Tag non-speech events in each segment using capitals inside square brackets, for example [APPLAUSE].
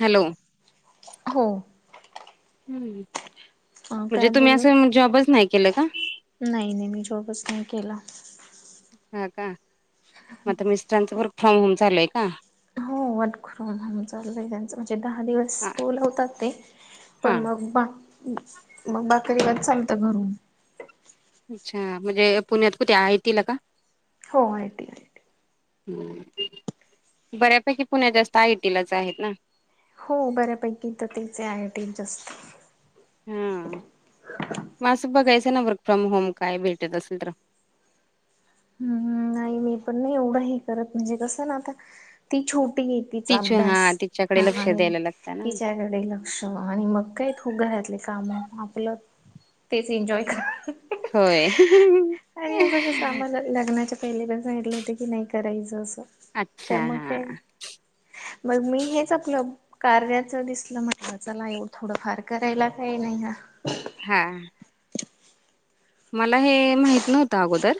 Hello हो हं काय म्हणजे तुम्ही बोलू असं जॉबच नाही केलं का नाही नाही मी जॉबच नाही केला. हा का मग आता मिस्टरांचं वर्क फ्रॉम होम चालूय का? हो वर्क फ्रॉम होम चालूय त्यांचं ते दहा दिवस हा बोलवतात ते हा पण मग बाकी मग दिवस चालतंय घरून अच्छा, म्हणजे पुण्यात कुठे आयटीला का? हो आय टी ला. बऱ्यापैकी पुण्यात जास्त आय टी लाच आहेत ना? हो बऱ्यापैकी तर तेच आहे आय टी चं जास्त आहे. हम्म मग असं बघायचं आहे ना वर्क फ्रॉम होम काय भेटत असलं तर हम्म नाही मी पण ना एवढं हे करत म्हणजे कसं ना आता ती छोटी ये तिचा तिच्या हा अभ्यास हा तिच्याकडे लक्ष आणि द्यायला लागतं ना तिच्या लक्ष आणि मग काय खूप घरातले काम आपलं तेच एन्जॉय करा होय. कसं आम्हाला लग्नाच्या पहिल्यांदा सांगितलं होतं की नाय करायचं असं अच्छा तर मग हा काय मग मी हेच आपलं कार्याचं दिसलं म्हटलं चला थोडं फार करायला काही नाही हा हम्म. मला हे माहित नव्हतं अगोदर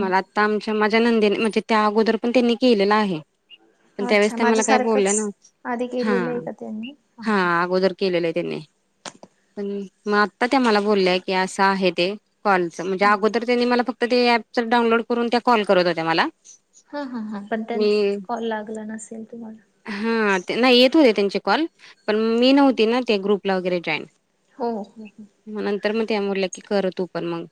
मला आ आमच्या माझ्या नंदेने म्हणजे त्या अगोदर पण त्यांनी केलेलं आहे. पण त्यावेळेस अच्छा त्या माझं मला काय बोललं सारखंच आधी नव्हत्या केलेलं हा आहे का त्यांनी? हा अगोदर. केलेलं आहे त्यांनी पण मग आता त्या मला बोलल्याय की असं आहे ते. कॉलचं म्हणजे अगोदर त्यांनी मला फक्त ते ऍपच डाउनलोड करून त्या कॉल करत होत्या मला. हा हा हां पण त्यांचा कॉल लागला नसेल तुम्हाला. हा नाही येत होते त्यांचे कॉल पण मी नव्हती ना ते ग्रुपला वगैरे जॉईन. हो. मग नंतर मग त्या बोलल्या की कर तू पण मग.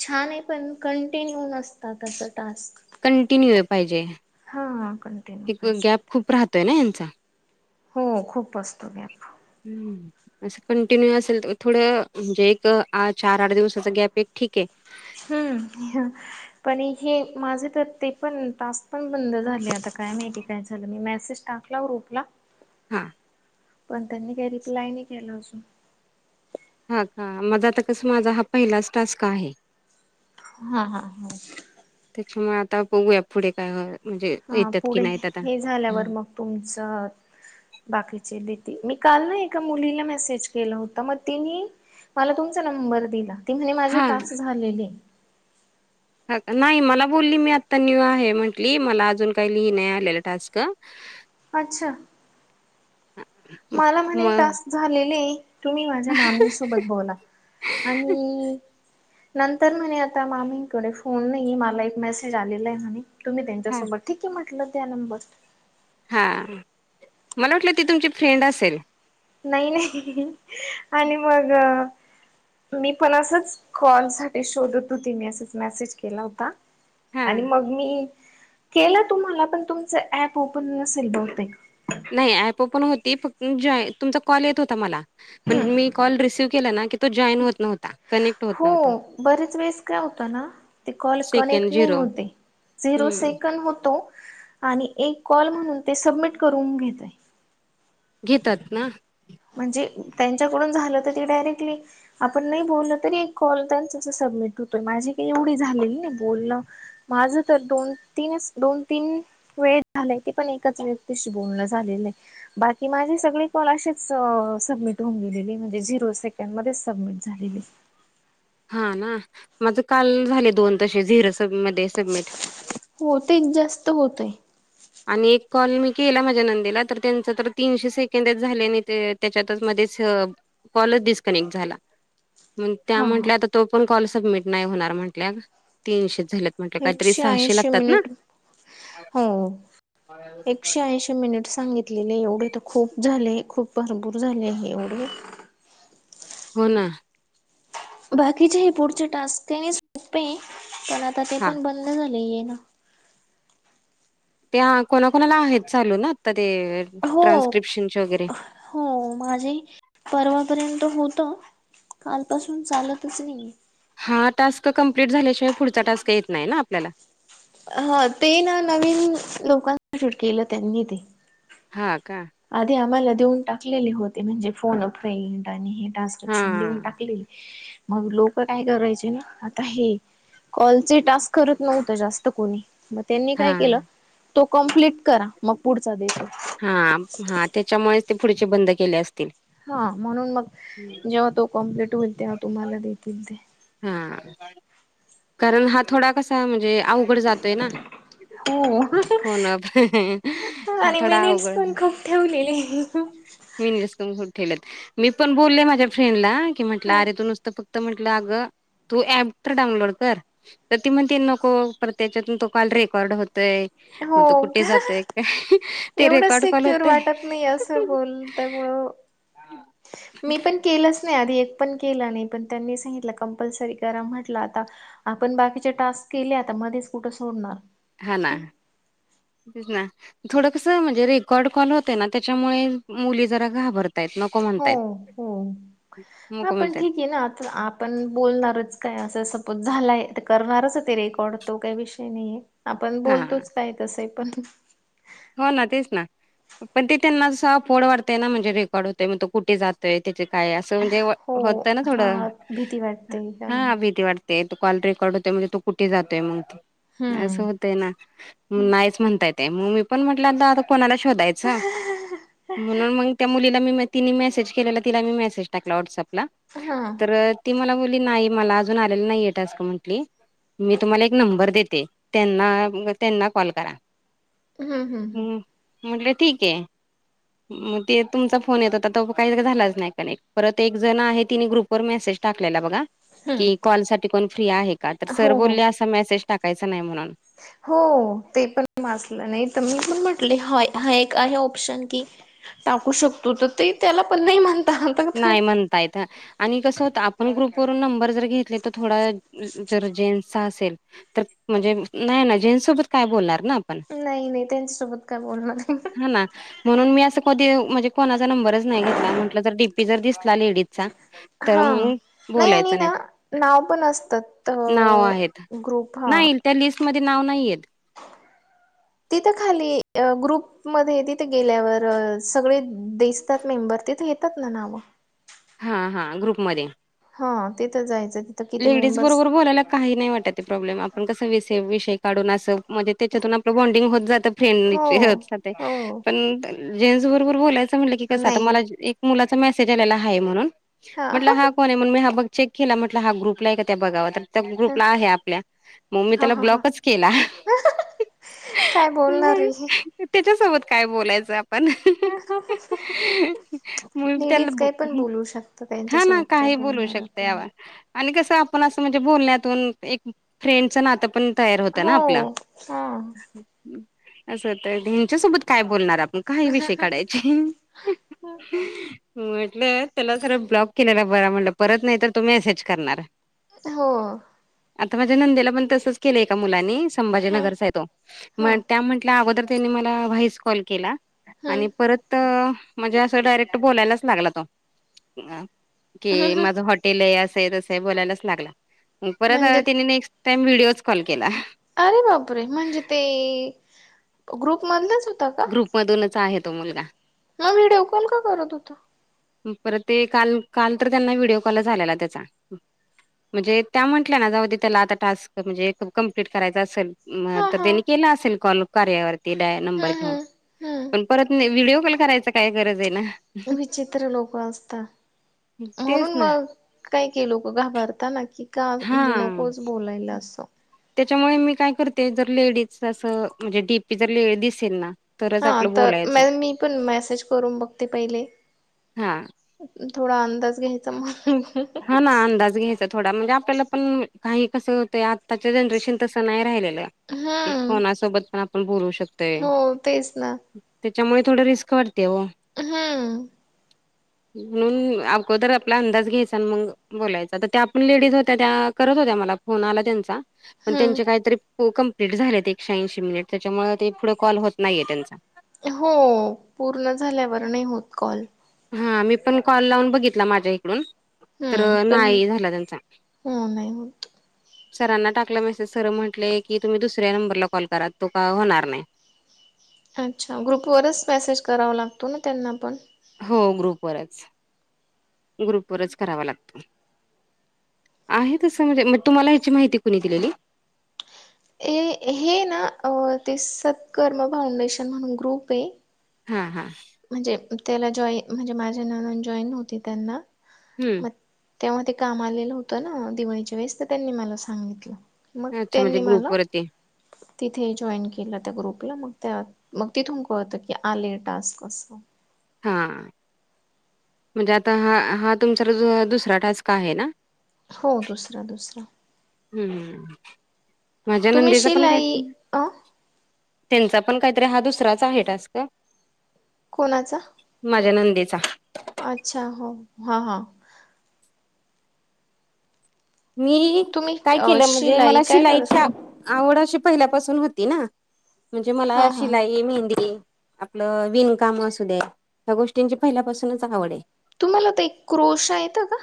छान आहे पण कंटिन्यू नसतात असं टास्क. कंटिन्यू येऊ पाहिजे. हा कण. [UNINTELLIGIBLE] हे गॅप खूप राहतोय ना यांचा हो खूप असतो गॅप. हम्म. असं कंटिन्यू असेल तर थोडं म्हणजे एक चार आठ दिवसाचा गॅप एक ठीक आहे. हम्म पण हे माझे तर ते पण टास्क पण बंद झाले आता काय माहिती काय झालं मी मेसेज टाकला ग्रुपला हा. पण त्यांनी काही रिप्लाय नाही केला अजून. हा, का? मग आता कसं, माझा हा पहिलाच टास्क आहे. हा, हा, हा. त्याच्यामुळे आता बघुया. पुढे काय हो म्हणजे, येत्यात कि नाहीत आता. तुमचा बाकीचे देती. मी काल ना, एका मुलीला मेसेज केलं होता. मग तिनी मला तुमचा नंबर दिला. ती म्हणे, माझे हा टाक झालेले. हा, का? नाही मला बोलली, मी आत्ता न्यू आहे म्हंटली. मला अजून काही ली नाही आलेलं टास्क. अच्छा! [UNINTELLIGIBLE] माला म्हणे, मग टास्क झालेले. तुम्ही माझ्या मामीसोबत बोला. आणि नंतर म्हणे, आता मामीकडे फोन नाही. मला एक मेसेज आलेलाय, म्हणे. तुम्ही हा त्यांच्यासोबत. ठीकय, म्हटलं. दया नंबर. हा. मला वाटलं, ती तुमची फ्रेंड असेल. नाही, नाही. [UNINTELLIGIBLE] आणि मग मी पण असच, कॉल साठी शोधत होती. मी असच मेसेज केला होता. हा आणि मग मी केलं तुम्हाला. पण तुमचं, ऍप ओपन नसेल बहुतेक. नाही, ऍप ओपन होती. फ जॉ तुमचा कॉल येत होता मला. पण मी कॉल रिसीव्ह केला ना की तो जॉईन होत नव्हता. कनेक् हो. बरेच वेळेस, काय होतं ना? ते कॉल सेकंड कनेक्ट नाही झिरो होते. झिरो हम्म सेकंड होतो. आणि एक कॉल म्हणून, ते सबमिट करून घेतय. घेतात ना? म्हणजे, त्यांच्याकडून झालं तर ते, डायरेक्टली आपण नाही बोललं तरी, एक कॉल त्यांचं असं सबमिट होतो. माझी काही एवढी झालेली नाही बोलणं. माझं तर, दोन - तीनच, दोन- तीन वेळ झालाय. ती पण एकच व्यक्तीशी बोलणं झालेलंय. बाकी माझी सगळी कॉल अशीच स सबमिट होऊन गेलेली. म्हणजे, झिरो सेकंड मध्येच सबमिट झालेले. हा, ना. माझं काल झाले दोन तसे, झिरो सब मध्ये सबमिट. हो, तेच जास्त होतयं. आणि एक कॉल मी केला माझ्या नंदेला. तर त्यांच तर, तीनशे सेकंडचं झाले नाही ते त्याच्यातच मध्येच, कॉलचं डिस्कनेक्ट झाला. मंग त्या हा हा म्हंटल्या, आता तो पण कॉल सबमिट नाही होणार, म्हंटल्या. तीनशे झालेत. म्हटलं. काहीतरी एकशे सहाशे ऐंशी लागतात ना? मिनिट हो. एकशे ऐशी मिनिट सांगितलेले. एवढे तर खूप झाले. खूप भरपूर झाले हे एवढे. हो, ना. बाकीचे हे पुढचे टास्क [UNINTELLIGIBLE] सोपे. पण आता ते हा पण बंद झाले येन. ते हा कोणाकोणाला आहेत चालू ना. आता ते, हो ट्रान्स्क्रिप्शनचे वगैरे. हो. माझे परवा पर्यंत होतं. कालपासून चालतच नाहीये. हा टास्क कंप्लीट झाल्याशिवाय, पुढचा टास्क येतं नाही ना, आपल्याला. ह, ते ना. नवीन लोकांना शूट केलं, त्यांनी ते. हा, का? आधी आम्हाला देऊन टाकलेले होते, म्हणजे फोन अ फ्रेंड आणि हे टास्क. हा शिक्षण देऊन टाकले मग लोक काय करायचे ना आता हे कॉलचे टास्क करतं नव्हते जास्त कोणी मग त्यांनी हा काय केलं, तो कम्प्लीट करा मगं पुढचा देतो. हां हां, त्याच्यामुळेचं ते पुढचे बंद केले असतील. हा म्हणून मग जेव्हा तो कम्प्लीट होईल, तेव्हा तुम्हाला देतील ते. हा, कारण हा थोडा कसा म्हणजे अवघड जातोयं ना. हो फोन अप हा आणि थोडा मिनिट्स अवघड पण खूप ठेवलेलेय मिनिट खूप ठेवलेत मी पण बोलले माझ्या फ्रेंडला कि म्हटलं हा अरे तो नुसतं फक्त म्हटलं अगं तू ऍप तर डाऊनलोड कर. तर ती म्हणते नको पर त्याच्यातून तो कॉल रेकॉर्ड होतोयं मग तो हो कुठे का जातयं काय ते एवढं रेकॉर्ड कॉल सिक्युर होतयं. वाटत नाही असं बोलल्यामुळं मी पण केलंच नाही. आधी एक पण केलं नाही. पण त्यांनी सांगितलं कंपल्सरी करा. म्हटलं आता आपण बाकीचे टास्क केले. आता मध्येचं कुठं सोडणार. हा ना. तेच ना. थोडं कसं, म्हणजे रेकॉर्ड कॉल होतं ना. त्याच्यामुळे मुली जरा घाबरतायं. म हो. हो. हा नको पण म्हणतायत ठीके ना. आता आ पण बोलणारचं काय असं. सपोज झालायं त करणारचे ते रेकॉर्ड तो काही विषय नाहीये. आपण हा बोलतोचं काय तसंय पण. हो ना तेचं ना पण ते त्यांना ऑफवाढ वाटतंय ना म्हणजे रेकॉर्ड होतं मग तो कुठे जातं ते त्याचे काय, असं म्हणजे हो होतय ना थोडं. हा भीती वाटते का हा भीती वाटते. ते कॉल रेकॉर्ड होतोय, म्हणजे तो कुठे जातोयं मंग. असं हम्म होतयं ना, नाहीचं म्हणताय ते म मी पण म्हटल्यांत आता कोणाला शोधायचं. म्हणून मग त्या मुलीला तिनी मेसेज केलेला तिला मेसेज टाकला व्हॉट्सअपला हा तर ती मला बोलली नाही. मला अजून आलेला नाहीये टास्क म्हंटली. मी तुम्हाला एक नंबर देते. त्यांना, त्यांना कॉल करा. हम्म म्हटलं ठीके. मग ते तुमचा फोन येतं होता त काही झालाचं नाही कनेक्ट. परत एक जण आहे. तिनं ग्रुप वर मेसेज टाकलेला बघा. की हम्म कॉल साठी कोण फ्री आहे का, तर सर हो हो बोलले अस मॅसेज टाकायचा नाही म्हणून. हो ते पण वाचल, नाही तर मी पण म्हटले हा ए हा एक आहे ऑप्शन की टाकू शकतो त ते त्याला पण नाही म्हण नाही म्हणता येत आणि कसं होत आपण ग्रुपवरून नंबर जर घेतले तर थोडा वेळ जेन्स असेल. तर म्हणजे नाही ना जेंट् सोबत काय बोलणार ना आपण? नाही नाही त्यांच्यासोबत काय बोलणार? ह ना म्हणून मी असं कधी म्हणजे कोणाचा नंबरच नाही घेतला, म्हटलं जर डीपी जर दिसला लेडीजचा तर हा मग नाही आणि बोलायचं ना नाव पण असतात. नाव अ आहेत ग्रुप हा नाही त्या लिस्टमध्ये नाव नाही येत. [INAUDIBLE] तिथं खाली अ ग्रुप मध्ये तिथे गेल्यावर सगळे दिस तात मेंबर. तिथे येतात ना नाव. हा हा. ग्रुपमध्ये. हां ते तरं जायचं. तिथं किती लेडीज मेंबर्स बरोबर बोलांयला. कांहीं नाहीं वाटतं प्रॉब्लेम आपणं कसं विषय काढूंन असं म्हणजे त्यांच्यातून आपलं बॉन्डिंग होतं जातं फ्रेंड हो हो पणं जेंट्स बरोबर बोलायचं म्हटलं की कसं आंता नाही मलां एक मुलांचा मेसेज आलेला हायं म्हणूंन मी हा म्हटलं ह हां कोणं आहे म्हणूंन मी हां बघं चेक केलां हां ग्रुप आहे कां त्यां बघावं त्यां हा ग्रुपलां आहे आपल्या मंग मी त्यांला ब्लॉकच केलां कायं बोलणारं आहे त्यांच्यासोबत कायं बोलायचं आपणं हां मग लेडीज कांहीं पणं त्याला बोलूं शकतं हा ना त्यांच्यासोबत कायं काही बोलू बोलणारं शकते आपणं यावर आणि कसं आपणं असं म्हणजे बोलण्यांतून एक फ्रेंडचं नातं पणं तयारं होतां नां आपलां हो हा असं होतंय हेच्यासोबतं कायं बोलणारं आपणं कांहीं विषय काढांयचे म्हटलं त्यांला सरळं ब्लॉक केलेला बरां म्हटलं परंत नाहीं तरं तो मेसेज करणारं हो आंता माझ्यां नंदेला पणं तसंच केलंय एकां मुलांनी हा संभाजीनगर चां आहे तो हा त्यां म्हटल्यां अगोदर त्यांनी मलां व्हांइस कॉल केलां हम्म आणि परंत म्हणजे असं डायरेक्ट बोलांयलाचं लागलां तो की माझं हॉटेल आहे असंय तसंय बोलांयलाचं लागंला मंग परंत म्हणजे तिने नेक्स्ट टाईम त्यांने व्हिडिओच कॉल केलां अरे बापरे रे म्हणजे ते ग्रुप मधलंच हो ग्रुपमधूंनच आहे तो मुलंगा मंग व्हिडिओकॉल कां करतं होतां परंत ते काॅल काॅल तरं त्यांना व्हिडिओ कॉलचं आलेला त्यांचा म्हणजे त्यां म्हंटल्यावर नां जाऊंदे त्यांला आंता टांस्क म्हणजे कम्प्लीट करायचं असेल अं हा तरं हा. त्यांनी केलां असेल कॉल कार्यावरती नंबर हम्म घेऊंन हम्म हम्म. पणं परंत नाहीं व्हिडिओ कॉल करांयचा कायं गरजं आहे नां विचित्र लोकं असतांत तेच म्हणूंन ना मंग कायं कायं लोकं घाबरतांना की कां म्हणजे नकोच बोलांयला असं त्यांच्यामुळे मी कायं करते जरं लेडीज असं म्हणजे डीपी जरं लेडी दिसेल नां हां तरं मॅ मी पणं मेसेज करूंन बघते पहिले हा थोडां अंदाज घ्यांयचा मलां हां नां अंदाज घ्यांयचा थोडां म्हणजे आपल्यांला पणं कांहीं कसं होतं आंत्ताच्या जनरेशन तसं नाहीं राहिले हम्म. कोनांसोबतं पणं आपणं बोलूं शकतोय हो तेच ना. त्यांच्यामुळे थोडं रिस्क वाटते ओ हम्मं म्हणूंन अगोदर आपलां अंदाज घ्यांयचा मं बोलायचं तरं त्यां आपणं लेडीज होत्यां त्यां करतं होत्यां मलां फोन आंला त्यांचा पणं हम्म. त्यांचे कांहींतरी हो कंपलीट झालेत एकश्याऐंशी मिनिटं त्यांच्यामुळे ते पुढे कॉल होतं नाहीये त्यांचा हो पूर्ण झाल्यांवर नाहीं होतं कॉल हां मी पणं कॉल लावूंन बघितलां माझ्या इकडूंन हम्म तरं पण नाहीं झालां त्यांचा हो नाही होत. सरांना टाकला मेसेज सर म्हटले की तुम्ही दुसऱ्या नंबरला कॉल करा तो का होणार नाही. अच्छा ग्रुपवरच मेसेज करावां लागतो ना त्यांना पण. हो ग्रुपवरच, ग्रुपवरच करावा लागत. आहे तसं म्हणजे मग तुम्हाला ह्याची माहिती कुणी दिलेली. ए हे ना ते सत्कर्म फाउंडेशन म्हणून ग्रुप आहे. हा हा. म्हणजे त्याला जॉई म्हणजे माझ्या ननंद जॉईन होती त्यांना हम्म म तेव्हा ते काम आलेलं होतं ना दिवाळीच्या वेळेस तर त्यांनी मला सांगितलं. मग अच्छा म्हणजे त्यांनी मला ग्रुपवरती तिथे जॉईन केलं त्या ग्रुपला मग त्या मग तिथून कळत की आले टास्क. कस. हां म्हणजे आता हा हा तुमचा दुसरा टास्क आहे ना. हो दुसरा दुसरा. हम्म माझ्या तुम्ही नंदेच पण काय शिलाई अ त्यांचा पण काहीतरी हा दुसराच आहे टास्क. कोणाचा? माझ्या नंदेचा अच्छा हो हा हा. मी तुम्ही काय अ केलं म्हणजे मला शिलाई काय कर शिलाईच्या आवड अशी पहिल्यापासून होती ना म्हणजे मला हा हा शिलाई, मेहंदी आपलं विणकाम असू दे ह्या गोष्टींची पहिल्यापासूनच आवड आहे. तुम्हाला ताई क्रुशा येत का?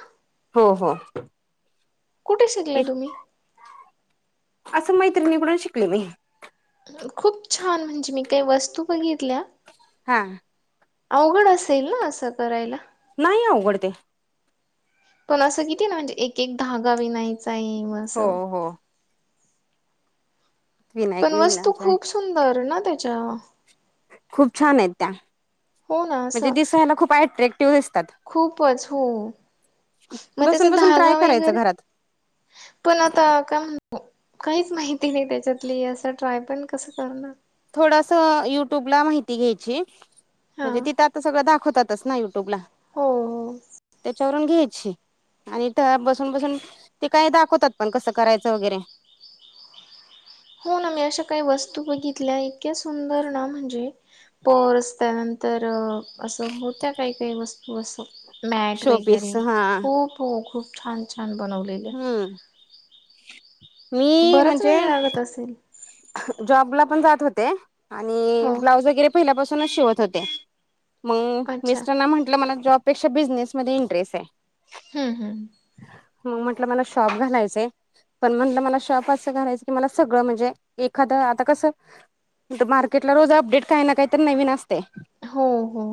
हो हो. कुठे शिकलं एक तुम्ही? असं मैत्रिणीकडून शिकले मी. खूप छान म्हणजे मी काही वस्तू बघितल्या. हा. अवघड असेल ना असं करायला. नाही अवघड ते. पण असं किती ना म्हणजे एक एक धागा विनायच आहे म हो असं हो. पण विनायक वस्तू विनाच्या आहेत खूप सुंदर ना त्याच्या. खूप छान येत्या. हो ना असं, अट्रॅक्टिव्ह दिसतात खूपच हो. मग त्याचा बसून बसून ट्राय धहागा करायचं वगैरे घरात पण आता का? काहीच माहिती नाही त्याच्यातली असं ट्राय पण कसं करणार. थोडस युट्यूब ला माहिती घ्यायची हा म्हणजे तिथं आता सगळं दाखवतातच ना युट्यूब ला. हो. च्यावरून घ्यायची आणि [UNINTELLIGIBLE] बसून बसून ते काय दाखवतात पण कसं करायचं वगैरे. होना मी अशा काही वस्तू बघितल्या इतक्या सुंदर ना म्हणजे पर्स त्यानंतर असं होत्या काही काही वस्तू असं. मॅट वगैरे शोपीस हा खूप हो खूप छान छान बनवलेले. हम्म मी बराच म्हणजे वेळ लागत असेल. जॉबला पण जात होते आणि हो ब्लाऊज वगैरे पहिल्यापासूनच शिवत होते. मग अच्छा मिस्टरना म्हंटलं मला जॉबपेक्षा बिझनेसमध्ये इंटरेस्ट आहे. हम हम. हो म्हटलं मला शॉप घालायचाय. पण म्हणलं... मला शॉप असं करायचं... की मला सगळं म्हणजे एखादं... आता कसं... आता मार्केटला रोज अपडेट... काही ना... काही तरी... नवीन असतय हो हो.